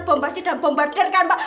bombasi dan bombarder kan mbak